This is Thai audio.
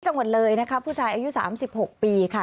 จังหวัดเลยนะคะผู้ชายอายุ๓๖ปีค่ะ